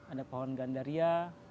ada pohon gandaria